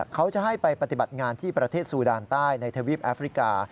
เขาจะให้ไปปฏิบัติงานที่ประเทศซูดานใต้ในทวีปแอฟริกา